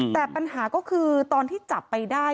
แต่ปัญหาก็คือตอนที่จับไปได้